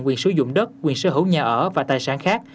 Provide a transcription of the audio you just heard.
quyền sử dụng đất quyền sở hữu nhà ở và tài sản khác